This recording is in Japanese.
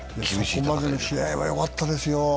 この前の試合はよかったですよ。